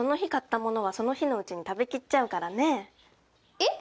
えっ？